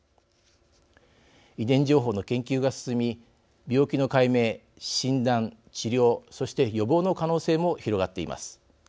遺伝情報の研究が進み病気の解明、診断、治療そして、予防の可能性も広がっています。